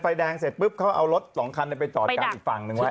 ไฟแดงเสร็จปุ๊บเขาเอารถสองคันไปจอดกันอีกฝั่งหนึ่งไว้